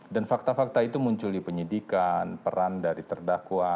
dan fakta fakta itu muncul di penyidikan peran dari terdakwa